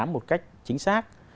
một cách chính xác